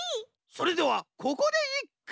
それではここでいっく。